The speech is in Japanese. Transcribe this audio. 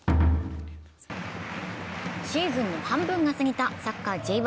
シーズンの半分が過ぎたサッカーＪ１。